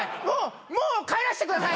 もう帰らしてください。